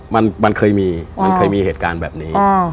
มันเคยมีเหตุการณ์แบบนี้